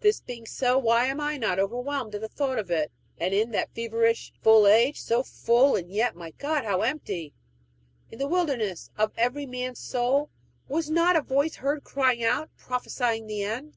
This being so, why am I not overwhelmed at the thought of it? In that feverish, full age so full, and yet, my God, how empty! in the wilderness of every man's soul, was not a voice heard crying out, prophesying the end?